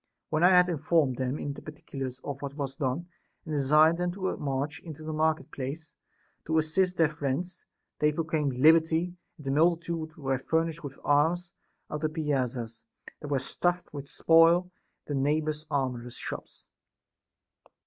When I had informed them in the particulars of what was done, and desired them to march into the market place to assist their friends, they proclaimed liberty ; and the multitude were furnished with arms out of the piazzas, that were stuffed with spoil, and the neighboring armorers' shops.